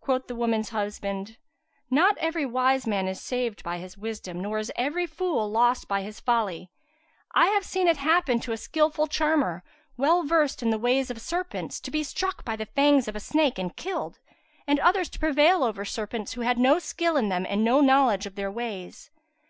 Quoth the woman's husband, "Not every wise man is saved by his wisdom, nor is every fool lost by his folly. I have seen it happen to a skilful charmer, well versed in the ways of serpents, to be struck by the fangs of a snake[FN#172] and killed, and others prevail over serpents who had no skill in them and no knowledge of their ways."